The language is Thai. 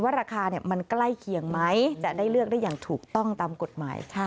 ราคามันใกล้เคียงไหมจะได้เลือกได้อย่างถูกต้องตามกฎหมาย